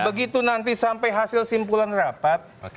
begitu nanti sampai hasil simpulan rapat